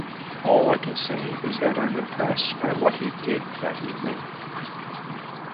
All I can say is that I'm impressed by what he did that evening.